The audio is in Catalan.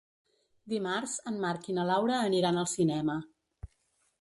Dimarts en Marc i na Laura aniran al cinema.